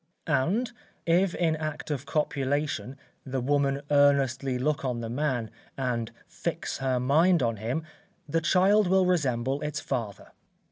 And, if in act of copulation, the woman earnestly look on the man, and fix her mind on him, the child will resemble its father.